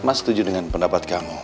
mas setuju dengan pendapat kamu